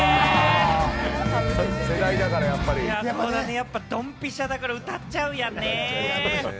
やっぱドンピシャだから歌っちゃうよねー。